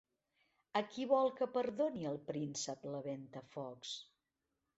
A qui vol que perdoni el príncep la Ventafocs?